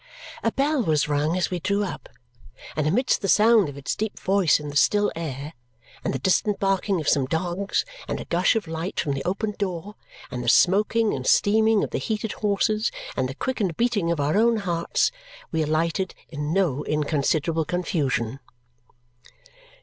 A bell was rung as we drew up, and amidst the sound of its deep voice in the still air, and the distant barking of some dogs, and a gush of light from the opened door, and the smoking and steaming of the heated horses, and the quickened beating of our own hearts, we alighted in no inconsiderable confusion.